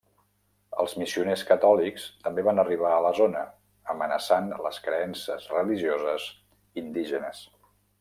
Els missioners catòlics també van arribar a la zona, amenaçant les creences religioses indígenes.